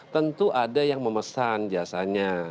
tentu ada yang memesan jasanya